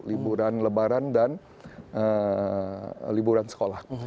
liburan lebaran dan liburan sekolah